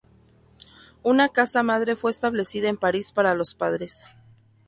Una casa madre fue establecida en París para los Padres.